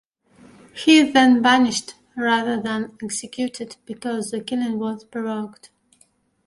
He is then banished rather than executed because the killing was provoked.